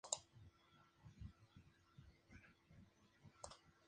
Se emplean para almacenar todo tipo de productos utilizados en la industria.